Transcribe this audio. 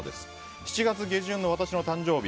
７月下旬の私の誕生日。